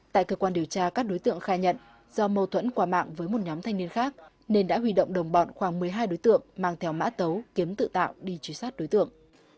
tại cơ quan điều tra các đối tượng khai nhận do mâu thuẫn qua mạng với một nhóm thanh niên khác nên đã huy động đồng bọn khoảng một mươi hai đối tượng mang theo mã tấu kiếm tự tạo đi truy sát đối tượng